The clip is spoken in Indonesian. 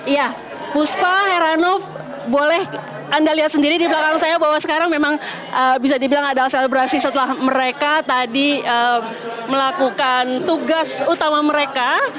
ya puspa heranov boleh anda lihat sendiri di belakang saya bahwa sekarang memang bisa dibilang ada selebrasi setelah mereka tadi melakukan tugas utama mereka